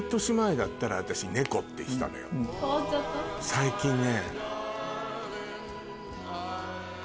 最近ね。